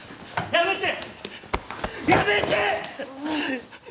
やめて。